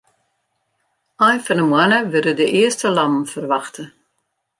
Ein fan 'e moanne wurde de earste lammen ferwachte.